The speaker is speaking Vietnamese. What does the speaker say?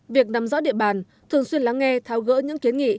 việc nằm rõ địa bàn thường xuyên lắng nghe tháo gỡ những kiến nghị